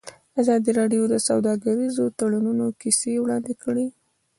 ازادي راډیو د سوداګریز تړونونه کیسې وړاندې کړي.